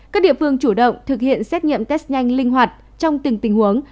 các địa phương chủ động thực hiện xét nghiệm test nhanh linh hoạt trong từng tình huống